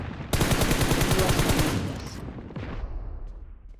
Dúas familias.